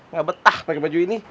gak betah pake baju ini